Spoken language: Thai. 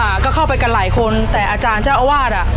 อ่าก็เข้าไปกันหลายคนแต่อาจารย์เจ้าอาวาสอ่ะ